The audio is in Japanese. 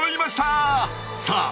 さあ！